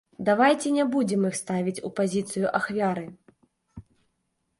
Давайце не будзем іх ставіць у пазіцыю ахвяры!